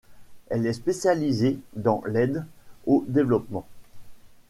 Elle est spécialisée dans l'aide au développement.